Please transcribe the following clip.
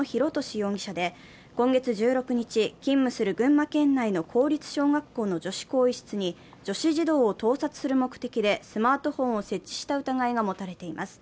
容疑者で今月１６日、勤務する群馬県内の公立小学校の女子更衣室に女子児童を盗撮する目的でスマートフォンを設置した疑いが持たれています。